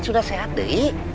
sudah sehat nyi